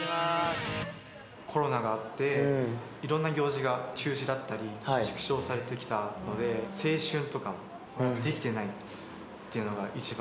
コロナがあって、いろんな行事が中止だったり、縮小されてきたので、青春とかできてないっていうのが一番。